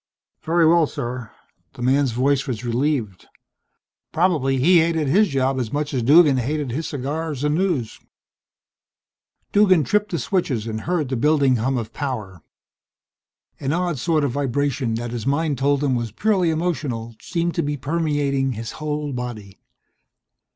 "Very well, sir." The man's voice was relieved. Probably he hated his job as much as Duggan hated his cigars and news. Duggan tripped the switches and heard the building hum of power. An odd sort of vibration that his mind told him was purely emotional, seemed to be permeating his whole body.